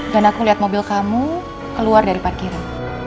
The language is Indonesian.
dan aku lihat mobil kamu keluar dari parkiran